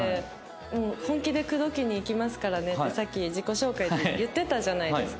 もう本気で口説きにいきますからねってさっき自己紹介で言ってたじゃないですか。